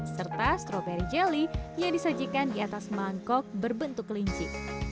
serta stroberi jelly yang disajikan di atas mangkok berbentuk kelinci